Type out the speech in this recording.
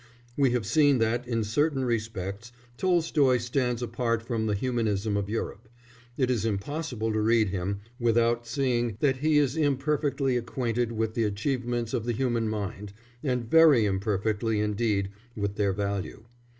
We have seen that, in certain respects, Tolstoy stands apart from the humanism of Europe; it is impossible to read him without seeing that he is imperfectly acquainted with the achievements of the human mind, and very imperfectly indeed with their value.